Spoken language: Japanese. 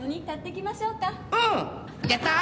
やったー。